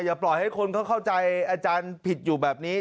ปล่อยให้คนเขาเข้าใจอาจารย์ผิดอยู่แบบนี้